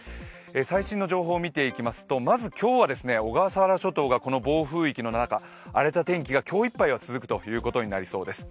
最新の情報を見ていきますとまず今日は小笠原諸島がこの暴風域の中、荒れた天気が今日いっぱいは続くということになりそうです。